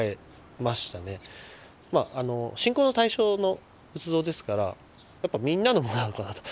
信仰の対象の仏像ですからやっぱみんなのものなのかなと。